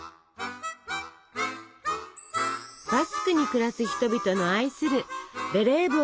バスクに暮らす人々の愛するベレー